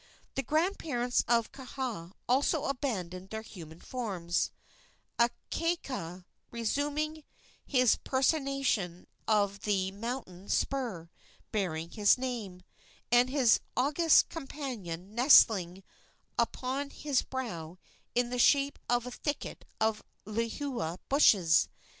The grandparents of Kaha also abandoned their human forms, Akaaka resuming his personation of the mountain spur bearing his name, and his august companion nestling upon his brow in the shape of a thicket of lehua bushes.